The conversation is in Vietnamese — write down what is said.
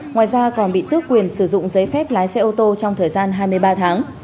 ngoài ra còn bị tước quyền sử dụng giấy phép lái xe ô tô trong thời gian hai mươi ba tháng